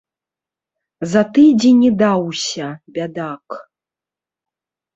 За тыдзень і даўся, бядак.